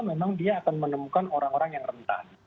memang dia akan menemukan orang orang yang rentan